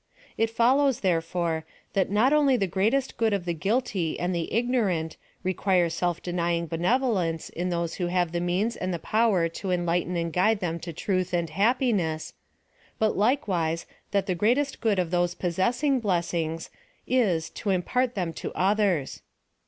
It follows, therefore, that not only the greatest good of the guilty and the ignorant, require self denying benevolence, in those who havt, the means and the powei to enlighten and guide them to truth and happiness ; but likewise, that the greatest good of those possessing blessings, is, to impart them to others.